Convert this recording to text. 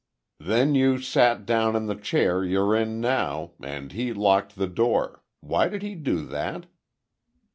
"Then you sat down in the chair you're in now, and he locked the door—why did he do that?"